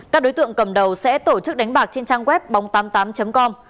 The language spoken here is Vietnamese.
các đối tượng cầm đầu sẽ tổ chức đánh bạc trên trang web bóng tám mươi tám com